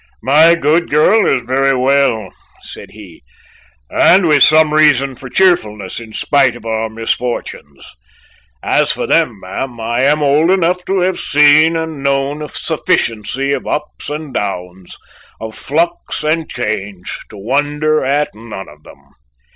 "My good girl is very well," said he, "and with some reason for cheerfulness in spite of our misfortunes. As for them, ma'am, I am old enough to have seen and known a sufficiency of ups and downs, of flux and change, to wonder at none of them.